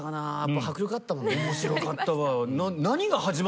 面白かったわ。